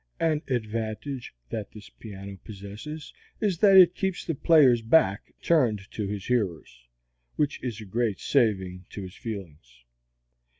An advantage that this piano possesses is that it keeps the player's back turned to his hearers, which is a great saving to his feelings.